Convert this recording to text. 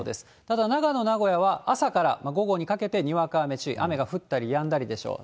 ただ、長野、名古屋は朝から午後にかけてにわか雨注意、雨が降ったりやんだりでしょう。